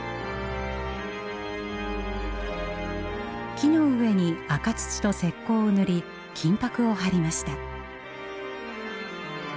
木の上に赤土と石こうを塗り金ぱくを張りました。